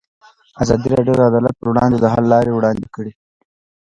ازادي راډیو د عدالت پر وړاندې د حل لارې وړاندې کړي.